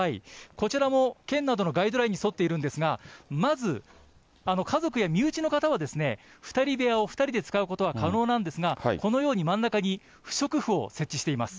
こちらも、県などのガイドラインに沿っているんですが、まず家族や身内の方は２人部屋を２人で使うことは可能なんですが、このように真ん中に不織布を設置しています。